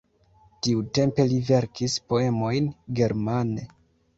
Tiutempe li verkis poemojn germane.